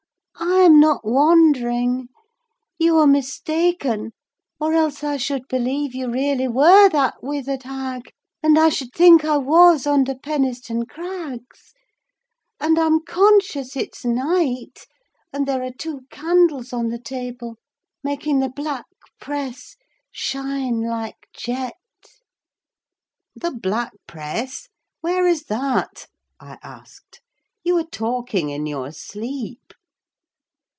I'm not wandering: you're mistaken, or else I should believe you really were that withered hag, and I should think I was under Penistone Crags; and I'm conscious it's night, and there are two candles on the table making the black press shine like jet." "The black press? where is that?" I asked. "You are talking in your sleep!"